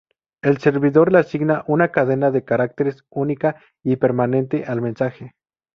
El servidor le asigna una cadena de caracteres única y permanente al mensaje.